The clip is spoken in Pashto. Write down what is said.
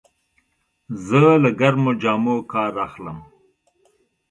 زه له ګرمو جامو کار اخلم.